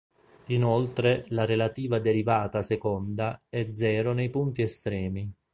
Inoltre, la relativa derivata seconda è zero nei punti estremi.